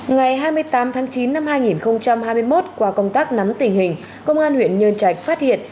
ngày hai mươi tám tháng chín năm hai nghìn hai mươi một qua công tác nắm tình hình công an huyện nhân trạch phát hiện